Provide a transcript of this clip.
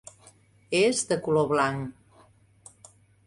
És de color blanc.